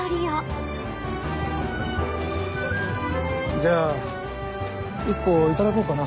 じゃあ１個いただこうかな。